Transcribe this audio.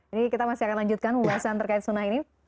ini kita masih akan lanjutkan ulasan terkait sunnah al mu'ad